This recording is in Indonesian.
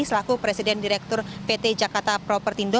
selaku presiden direktur pt jakarta propertindo